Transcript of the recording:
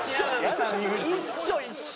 一緒一緒！